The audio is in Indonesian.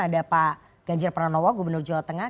ada pak ganjar pranowo gubernur jawa tengah